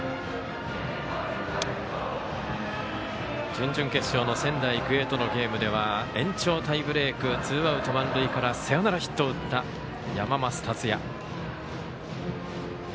準々決勝の仙台育英とのゲームでは延長、タイブレークツーアウト、満塁からサヨナラヒットを打った山増達也。